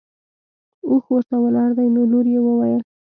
اوښ ورته ولاړ دی نو لور یې وویل.